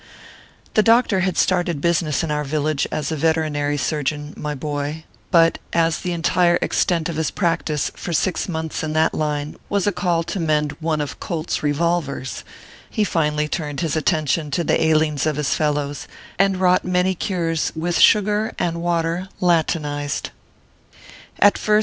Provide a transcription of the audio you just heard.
The doctor had started business in our village as a veterinary surgeon, my boy ; but, as the entire extent of his practice for six months in that line was a call 12 ORPHEUS C. KERB PAPERS. to mend one of Colt s revolvers, lie finally turned his attention to the ailings of his fellows, and wrought many cures with sugar and water Latinized. At first.